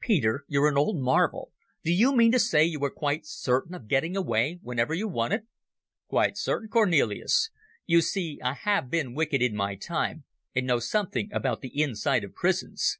"Peter, you're an old marvel. Do you mean to say you were quite certain of getting away whenever you wanted?" "Quite certain, Cornelis. You see, I have been wicked in my time and know something about the inside of prisons.